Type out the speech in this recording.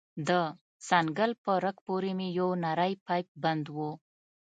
د څنگل په رگ پورې مې يو نرى پيپ بند و.